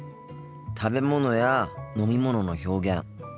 食べ物や飲み物の表現